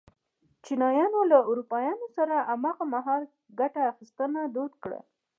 چینایانو له اروپایانو سره هماغه مهال ګته اخیستنه دود کړل.